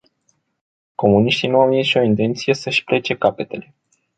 Comuniștii nu au nicio intenție să-și plece capetele.